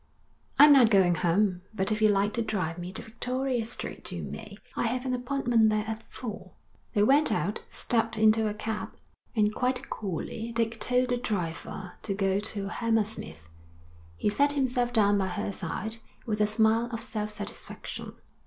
'I'm not going home, but if you like to drive me to Victoria Street, you may. I have an appointment there at four.' They went out, stepped into a cab, and quite coolly Dick told the driver to go to Hammersmith. He sat himself down by her side, with a smile of self satisfaction.